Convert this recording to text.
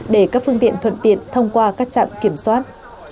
để các phương tiện thuận tiện thông qua các trạm kiểm soát